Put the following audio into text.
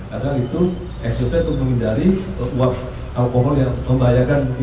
karena itu eksospen untuk memindahi alkohol yang membahayakan